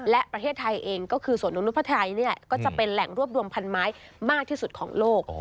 และประเทศไทยเองก็คือสวนอนุพัทไทยนี่แหละก็จะเป็นแหล่งรวบรวมพันไม้มากที่สุดของโลก